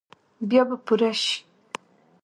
بیا به پوره شي ؟